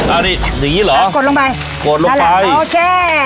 อันนี้อย่างงี้เหรอกดลงไปกดลงไปโอเค